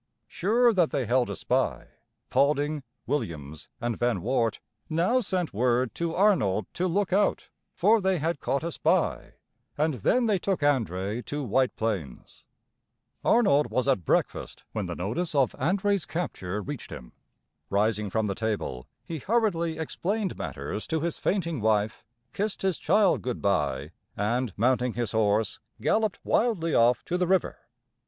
] Sure that they held a spy, Paulding, Williams, and Van Wart now sent word to Arnold to look out, for they had caught a spy, and then they took André to White Plains. Arnold was at breakfast when the notice of André's capture reached him. Rising from the table, he hurriedly explained matters to his fainting wife, kissed his child good by, and, mounting his horse, galloped wildly off to the river.